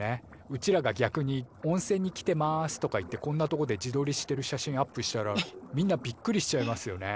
うちらが逆に「温泉に来てます」とか言ってこんなとこで自どりしてる写真アップしたらみんなびっくりしちゃいますよね。